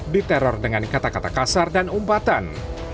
diteror dengan kata kata kasar dan umpatan